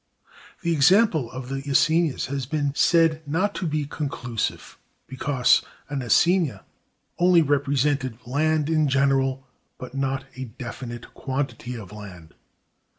The example of the assignats has been said not to be conclusive, because an assignat only represented land in general, but not a definite quantity of land.